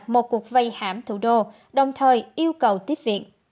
một cuộc vây hãm thủ đô đồng thời yêu cầu tiếp viện